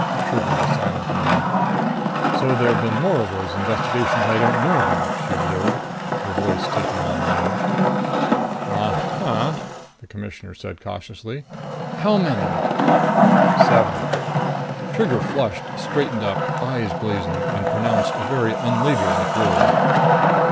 Trigger was silent a moment. "So there've been more of those investigations I don't know about!" she observed, her voice taking on an edge. "Uh huh," the Commissioner said cautiously. "How many?" "Seven." Trigger flushed, straightened up, eyes blazing, and pronounced a very unladylike word.